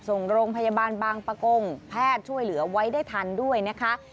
ส่งโรงพยาบาลบางประกงแพทย์ช่วยเหลือไว้ได้ทันด้วยนะคะ